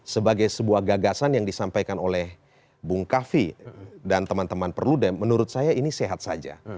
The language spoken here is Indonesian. sebagai sebuah gagasan yang disampaikan oleh bung kafi dan teman teman perludem menurut saya ini sehat saja